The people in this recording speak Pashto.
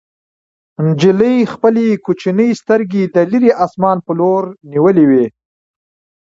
نجلۍ خپلې کوچنۍ سترګې د لیرې اسمان په لور نیولې وې.